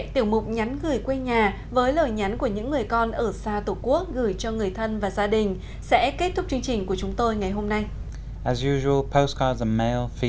tiểu mục nhắn gửi quê nhà với lời nhắn của những người con ở xa tổ quốc gửi cho người thân và gia đình sẽ kết thúc chương trình của chúng tôi ngày hôm nay